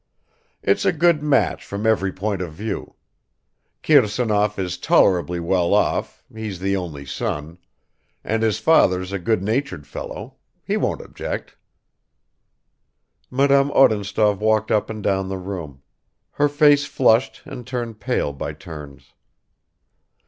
It's a good match from every point of view; Kirsanov is tolerably well off, he's the only son, and his father's a good natured fellow; he won't object." Madame Odintsov walked up and down the room. Her face flushed and turned pale by turns.